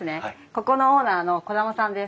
ここのオーナーの兒玉さんです。